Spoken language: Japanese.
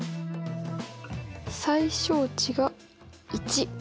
最小値が１。